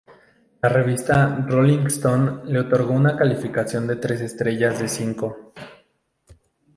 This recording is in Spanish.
La revista "Rolling Stone" le otorgó una calificación de tres estrellas de cinco.